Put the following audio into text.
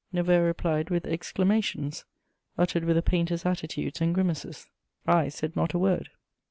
Neveu replied with exclamations, uttered with a painter's attitudes and grimaces. I said not a word.